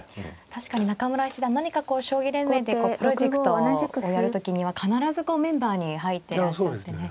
確かに中村七段何かこう将棋連盟でプロジェクトをやる時には必ずメンバーに入っていらっしゃってね。